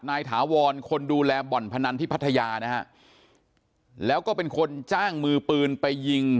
ถาวรคนดูแลบ่อนพนันที่พัทยานะฮะแล้วก็เป็นคนจ้างมือปืนไปยิง